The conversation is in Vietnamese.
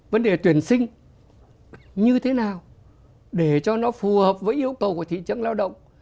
vấn đề tuyển sinh như thế nào để cho nó phù hợp với yêu cầu của thị trường lao động